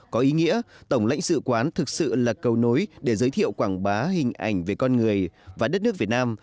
có ý nghĩa tổng lãnh sự quán thực sự là cầu nối để giới thiệu quảng bá hình ảnh về con người và đất nước việt nam